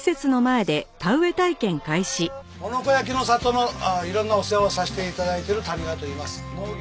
男ノ子焼の里の色んなお世話をさせて頂いている谷川といいます。